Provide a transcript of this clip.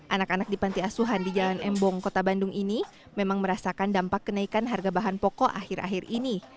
anak anak di panti asuhan di jalan embong kota bandung ini memang merasakan dampak kenaikan harga bahan pokok akhir akhir ini